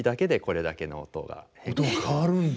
音が変わるんだ。